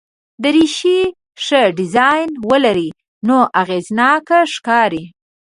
دریشي ښه ډیزاین ولري نو اغېزناک ښکاري.